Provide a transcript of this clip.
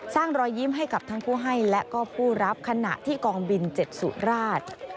รอยยิ้มให้กับทั้งผู้ให้และก็ผู้รับขณะที่กองบิน๗สุราช